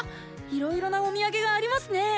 いろいろなおみやげがありますね！